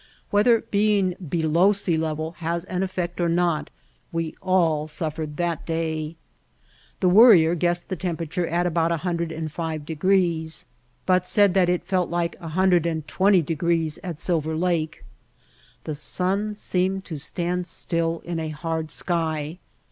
Whether being below sea level has an effect or not we all suffered that day. The Worrier guessed the tem perature at about 105 degrees, but said that it felt like 120 degrees at Silver Lake. The sun seemed to stand still in a hard sky.